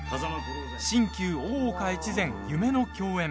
新旧大岡越前、夢の共演。